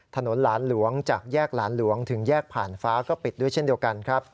ถนนหลานหลวงจากแยกหลานหลวงถึงแยกผ่านฟ้าก็ปิดด้วยเช่นเดียวกันครับ